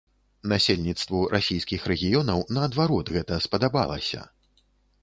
Насельніцтву расійскіх рэгіёнаў, наадварот, гэта спадабалася.